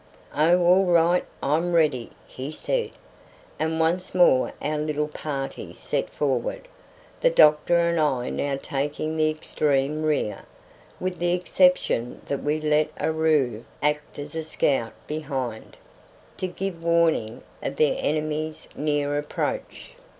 "Oh, all right! I'm ready," he said, and once more our little party set forward, the doctor and I now taking the extreme rear, with the exception that we let Aroo act as a scout behind, to give warning of the enemy's near approach.